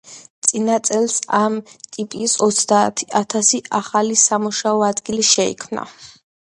წინა წელს ამ ტიპის ოცდაათი ათასი ახალი სამუშაო ადგილი შეიქმნა.